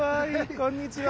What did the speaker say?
こんにちは。